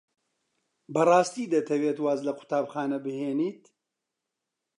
بەڕاستی دەتەوێت واز لە قوتابخانە بهێنیت؟